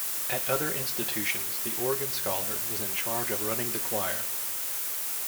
At other institutions, the organ scholar is in charge of running the choir.